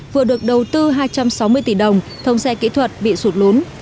vừa được đầu tư hai trăm sáu mươi tỷ đồng thông xe kỹ thuật bị sụt lún